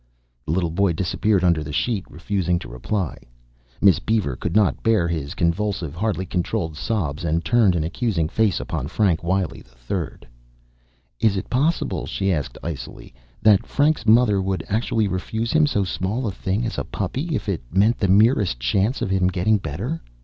The little boy disappeared under the sheet, refusing to reply. Miss Beaver could not bear his convulsive, hardly controlled sobs, and turned an accusing face upon Frank Wiley III. "Is it possible," she asked icily, "that Frank's mother would actually refuse him so small a thing as a puppy, if it meant the merest chance of his getting better?"